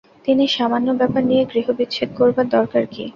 কিন্তু সামান্য ব্যাপার নিয়ে গৃহবিচ্ছেদ করবার দরকার কী?